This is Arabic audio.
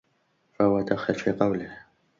فَهُوَ دَاخِلٌ فِي قَوْلِهِ